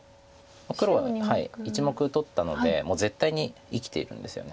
黒は１目取ったのでもう絶対に生きてるんですよね。